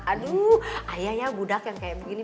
aduh ayah ya budak yang kayak begini